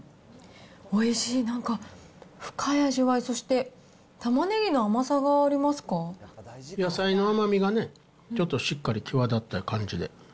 おいしい、なんか深い味わい、そしてたまねぎの甘さが野菜の甘みがね、ちょっとしっかり際立った感じで。